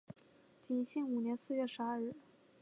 景兴五年四月十二日。